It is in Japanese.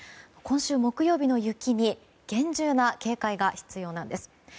今週木曜日の雪に厳重な警戒が必要なんです。